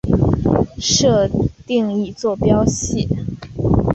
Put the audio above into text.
设定一坐标系。